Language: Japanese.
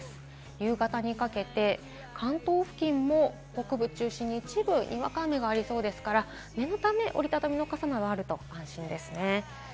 夕方にかけて関東付近も北部を中心に一部、にわか雨がありそうですから、念のため折り畳みの傘があると安心です。